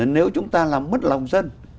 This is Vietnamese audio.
nếu chúng ta là mất lòng dân